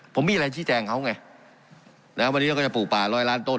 ผมมีอะไรชี้แจงเขาไงนะวันนี้เราก็จะปลูกป่าร้อยล้านต้น